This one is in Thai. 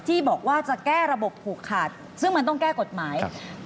ที่บอกว่าจะแก้ระบบผูกขาดซึ่งมันต้องแก้กฎหมาย